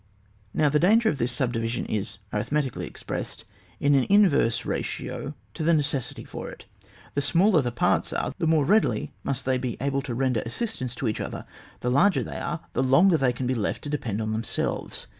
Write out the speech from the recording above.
Now the danger of this suh dmsion is — arithmetically expressed — in an inverse ratio to the necessity for it. The smaller the parts are, the more readily must they be able to render assistance to each other ; the larger they are, the longer they can be left to depend on themselves.